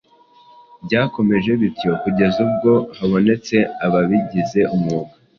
Byakomeje bityo kugeza n’ubwo habonetse ababigize umwuga,